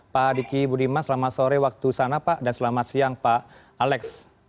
pak diki budiman selamat sore waktu sana pak dan selamat siang pak alex